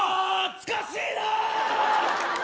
懐かしいな。